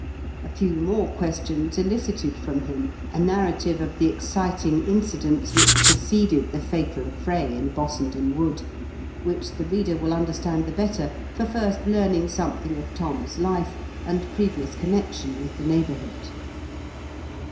A few more questions elicited from him a narrative of the exciting incidents which pre r 142 IN KENT WITS CHABLE8 DICKENS. ceded the fatal aflBray in Bossenden Wood, which the reader will understand the better for first learning something of Thorn's life and previous connection with the neighbourhood.